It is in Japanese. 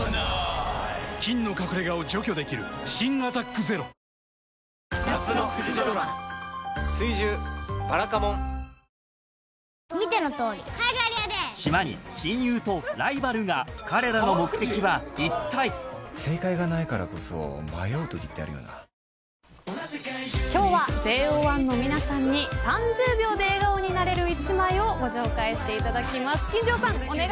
菌の隠れ家を除去できる新「アタックＺＥＲＯ」今日はＪＯ１の皆さんに３０秒で笑顔になれる１枚をご紹介していただきます。